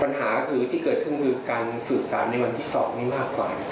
ปัญหาคือที่เกิดขึ้นคือการสื่อสารในวันที่๒นี้มากกว่า